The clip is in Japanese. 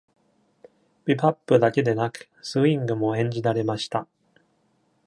ビバップだけでなく、スイングも演じられました。